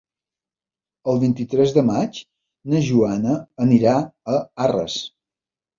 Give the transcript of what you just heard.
El vint-i-tres de maig na Joana anirà a Arres.